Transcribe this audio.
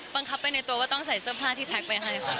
ปังคับไปในตัวว่าต้องใส่เสื้อผ้าที่แพ็คไปให้